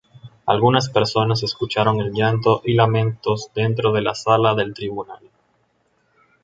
Algunas personas escucharon el llanto y lamentos dentro de la sala del tribunal.